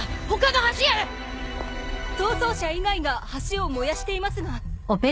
逃走者以外が橋を燃やしていますが。